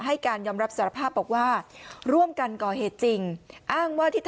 ให้การยอมรับสารภาพบอกว่าร่วมกันก่อเหตุจริง